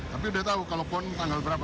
tapi udah tahu kalau pon tanggal berapa